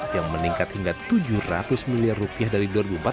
yang meningkat hingga tujuh ratus miliar rupiah dari dua ribu empat belas